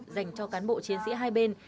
dành cho cán bộ chiến sĩ hai bên